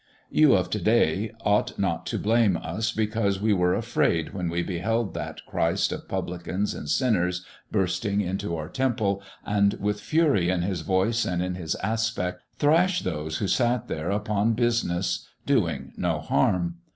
You of to day ought not to blame us because we were afraid when we beheld that Christ of publicans and sinners bursting into our Temple, and, with fury in His voice and in His aspect, thrash those who sat there upon business doing no harm.